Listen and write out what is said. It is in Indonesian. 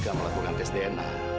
kamu lakukan tes dna